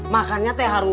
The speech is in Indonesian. makannya teh harumah